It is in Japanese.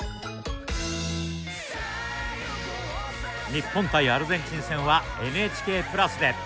日本対アルゼンチン戦はＮＨＫプラスで。